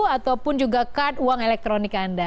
ataupun juga kart uang elektronik anda